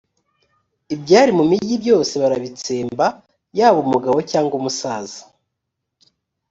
ibyari mu mugi byose barabitsemba, yaba umugabo, cyangwa umusaza.